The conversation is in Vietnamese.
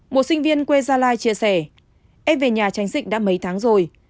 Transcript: một sinh viên quê gia lai chia sẻ em về nhà tránh dịch đã mấy tháng rồi